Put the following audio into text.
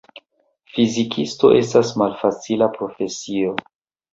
Fizikisto estas malfacila profesio.